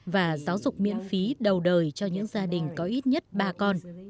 và giáo dục miễn phí đầu đời cho những gia đình có ít nhất ba con